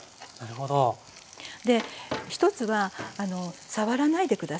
で１つは触らないで下さい。